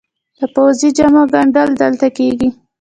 د پوځي جامو ګنډل دلته کیږي؟